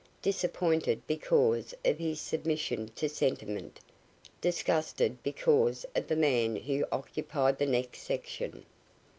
Disappointed because of his submission to sentiment; disgusted because of the man who occupied the next section.